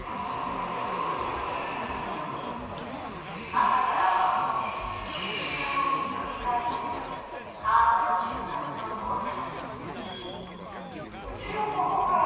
朝から晩まで１時間おきに繰り返されるカートの出発と到着。